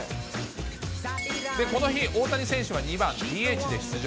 この日、大谷選手は２番ＤＨで出場。